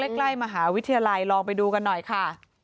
ใกล้มหาวิทยาลัยลองไปดูกันหน่อยค่ะ